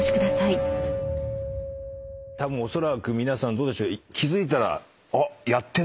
おそらく皆さんどうでしょう？